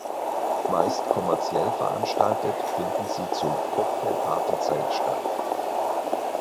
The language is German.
Meist kommerziell veranstaltet finden sie zur Cocktailparty-Zeit statt.